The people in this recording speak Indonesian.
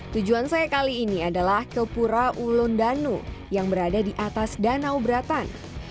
tujuan saya kali ini adalah kepura ullondanu yang berada di atas danau beratan